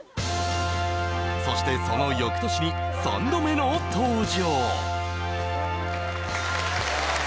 そしてその翌年に３度目の登場。